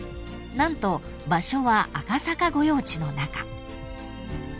［何と場所は赤坂御用地の中］